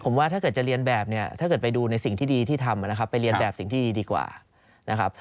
ผมว่าถ้าเกิดจะเรียนแบบเนี่ยถ้าเกิดไปดูในสิ่งที่ดีที่ทำนะครับไปเรียนแบบสิ่งที่ดีกว่านะครับ